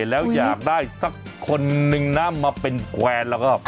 แล้วอยากได้สักคนนึงนะมาเป็นแกวนแล้วก็